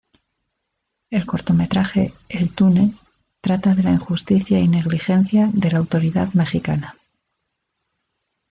El cortometraje "El túnel" trata de la injusticia y negligencia de la autoridad mexicana.